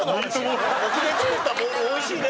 山崎：オフで作ったボールおいしいね。